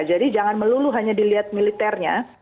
jadi jangan melulu hanya dilihat militernya